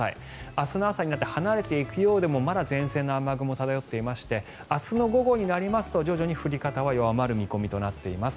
明日の朝になって離れていくようでもまだ前線の雨雲が漂っていまして明日の午後になりますと徐々に降り方は弱まる見込みとなっています。